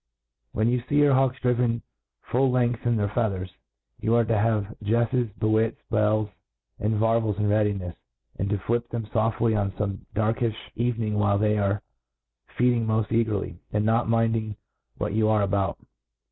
When you fee your hawks driven full length in their feathers, you are to have jefles, bewits, bells, and varvels in readinefs, and to flip them foftly on fbme daiidfh evening whQe they arc feeding moft eagerly, and not minding what you are about.